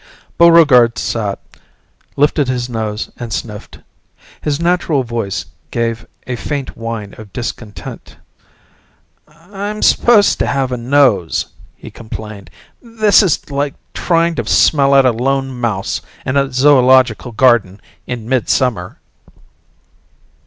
Buregarde sat, lifted his nose and sniffed. His natural voice gave a faint whine of discontent. "I'm supposed to have a nose," he complained. "This is like trying to smell out a lone mouse in a zoological garden in midsummer."